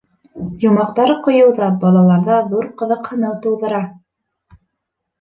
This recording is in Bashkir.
Йомаҡтар ҡойоу ҙа балаларҙа ҙур ҡыҙыҡһыныу тыуҙыра.